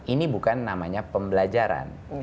ini bukan namanya pembelajaran